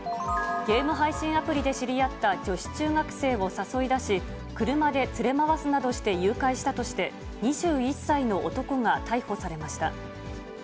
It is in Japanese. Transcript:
ゲーム配信アプリで知り合った女子中学生を誘い出し、車で連れ回すなどして誘拐したとして、２１歳の男が逮捕されました。